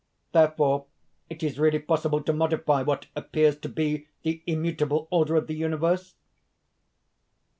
Therefore, it is really possible to modify what appears to be the immutable order of the universe?"